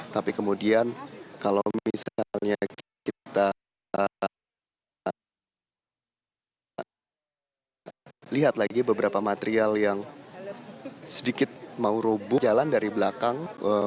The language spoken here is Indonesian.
tapi kemudian kalau misalnya kita lihat lagi beberapa material yang sedikit mau rubuh jalan dari belakang